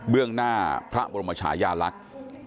เบื้องหน้าพระบุรมชายาลักษณ์